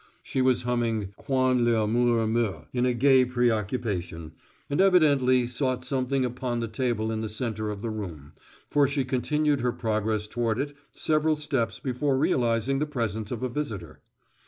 She was humming "Quand I' Amour Meurt" in a gay preoccupation, and evidently sought something upon the table in the centre of the room, for she continued her progress toward it several steps before realizing the presence of a visitor.